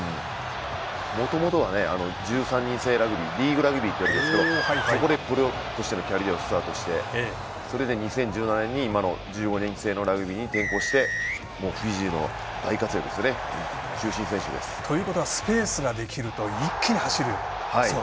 もともとは、１３人制ラグビーリーグラグビーというんですけどそこでプロップとしてのキャリアをスタートして、２０１７年に今の１５人制のラグビーに転向して、フィジーで大活躍ですよね、中心選手です。ということは、スペースができると一気に走る選手。